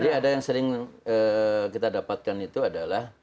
jadi ada yang sering kita dapatkan itu adalah